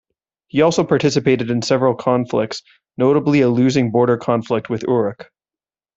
He also participated in several conflicts, notably a losing border conflict with Uruk.